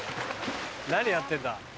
何やってんだ？